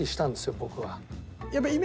僕は。